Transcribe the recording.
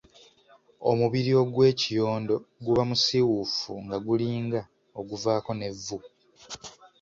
Omubiri ogw'ekiyondo guba musiiwuufu nga gulinga oguvaako n’evvu.